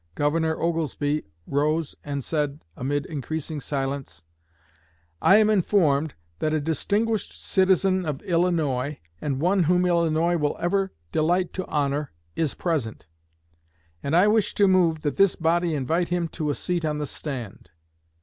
Governor Oglesby rose and said, amid increasing silence, 'I am informed that a distinguished citizen of Illinois, and one whom Illinois will ever delight to honor, is present; and I wish to move that this body invite him to a seat on the stand.'